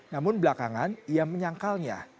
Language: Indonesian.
namun belakangan ia menyangkalnya